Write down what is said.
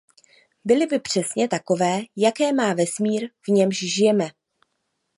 Byly by přesně takové jaké má vesmír v němž žijeme.